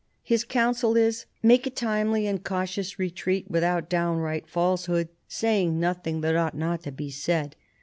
His counsel is, "Make a timely and cautious retreat without downright falsehood, saying nothing that ought not to be said."